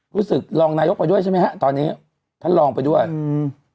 รู้สึกรองนายกไปด้วยใช่ไหมฮะตอนนี้ท่านลองไปด้วยอืม